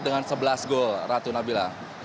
dengan sebelas gol ratu nabila